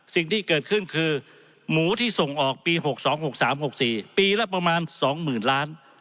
สิ่งที่เกิดขึ้นคือหมูที่ส่งออกปี๖๒๖๓๖๔ปีละประมาณ๒๐๐๐ล้าน